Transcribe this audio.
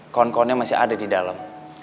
kon konnya masih ada di dalam